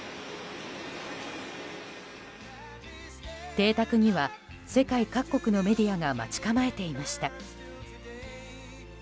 邸宅には世界各国のメディアが待ち構えていました。